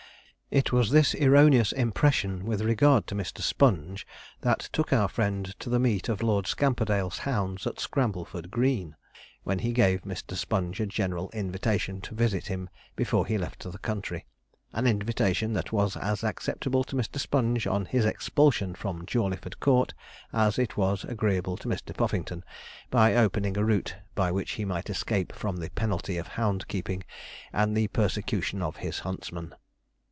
It was this erroneous impression with regard to Mr. Sponge that took our friend to the meet of Lord Scamperdale's hounds at Scrambleford Green, when he gave Mr. Sponge a general invitation to visit him before he left the country, an invitation that was as acceptable to Mr. Sponge on his expulsion from Jawleyford Court, as it was agreeable to Mr. Puffington by opening a route by which he might escape from the penalty of hound keeping, and the persecution of his huntsman.